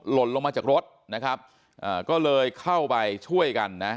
หล่นลงมาจากรถนะครับอ่าก็เลยเข้าไปช่วยกันนะ